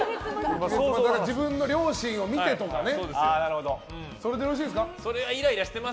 自分の両親を見て、とかね。